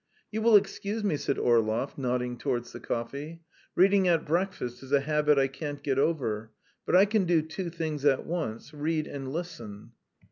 "You will excuse me," said Orlov, nodding towards the coffee. "Reading at breakfast is a habit I can't get over. But I can do two things at once read and listen."